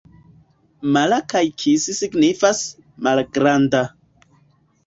Mala kaj kis signifas: malgranda.